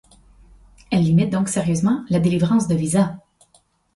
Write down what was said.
Elle limite donc sérieusement la délivrance de visas.